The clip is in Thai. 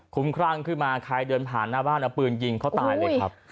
คุ้มครั่งขึ้นมาใครเดินผ่านหน้าบ้านเอาปืนยิงเขาตายเลยครับ